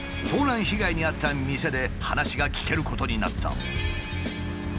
盗難被害に遭った店で話が聞けることになった。